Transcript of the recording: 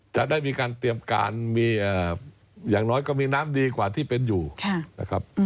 จะได้มีการเตรียมการมีอย่างน้อยก็มีน้ำดีกว่าที่เป็นอยู่นะครับ